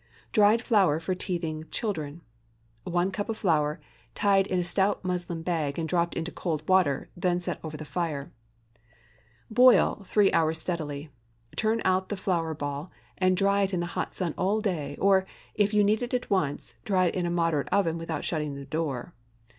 DRIED FLOUR FOR TEETHING CHILDREN. 1 cup of flour, tied in a stout muslin bag and dropped into cold water, then set over the fire. Boil three hours steadily. Turn out the flour ball and dry in the hot sun all day; or, if you need it at once, dry in a moderate oven without shutting the door.